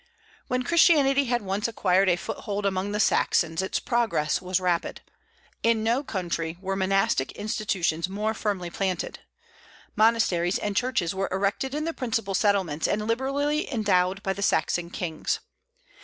When Christianity had once acquired a foothold among the Saxons its progress was rapid. In no country were monastic institutions more firmly planted. Monasteries and churches were erected in the principal settlements and liberally endowed by the Saxon kings.